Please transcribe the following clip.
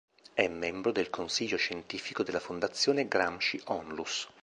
È membro del Consiglio scientifico della "Fondazione Gramsci Onlus".